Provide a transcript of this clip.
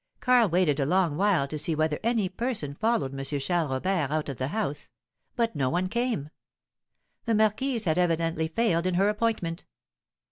Karl waited a long while to see whether any person followed M. Charles Robert out of the house; but no one came. The marquise had evidently failed in her appointment.